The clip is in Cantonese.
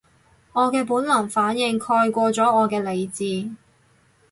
我嘅本能反應蓋過咗我嘅理智